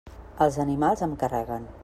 Els animals em carreguen.